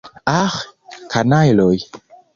Aĥ, kanajloj!